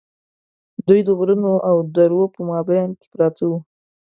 دوی د غرونو او درو په مابین کې پراته وو.